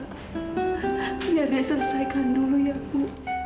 biar dia selesaikan dulu ya bu